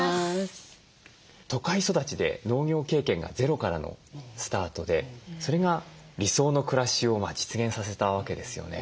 都会育ちで農業経験がゼロからのスタートでそれが理想の暮らしを実現させたわけですよね。